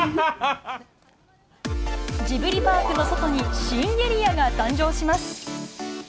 ジブリパークの外に新エリアが誕生します。